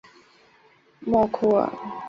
莫库尔。